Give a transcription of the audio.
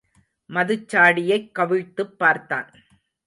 மதுச்சாடியைக் கவிழ்த்துப் பார்த்தான்.